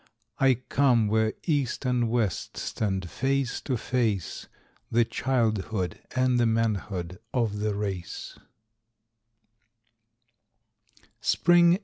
I come where East and West stand face to face, The childhood and the manhood of the race.